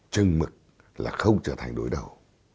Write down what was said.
chân mực là không trở thành đối đầu